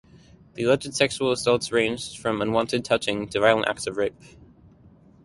The alleged sexual assaults ranged from unwanted touching to violent acts of rape.